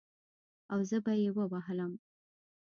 او زه به يې ووهلم.